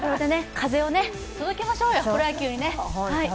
風を届けましょうよ、プロ野球にね。